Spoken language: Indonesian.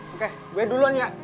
oke gue duluan ya